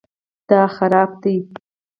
دا خراب دی